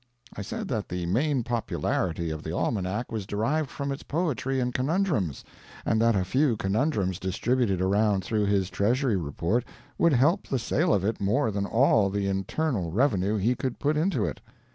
I said that the main popularity of the almanac was derived from its poetry and conundrums, and that a few conundrums distributed around through his Treasury report would help the sale of it more than all the internal revenue he could put into it.